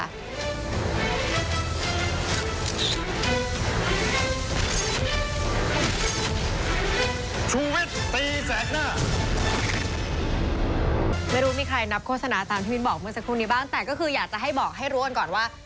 ไม่รู้มีใครนับโฆษณาตามที่มิ้นบอกเมื่อสักครู่นี้บ้างแต่ก็คืออยากจะให้บอกให้รู้กันก่อนว่า